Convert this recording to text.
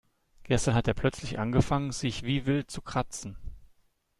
Gestern hat er plötzlich angefangen, sich wie wild zu kratzen.